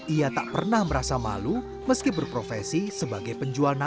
ia tak pernah merasa malu meski berprofesi sebagai penjualan